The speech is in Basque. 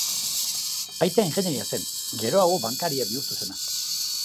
Aita ingeniaria zen, geroago bankaria bihurtu zena.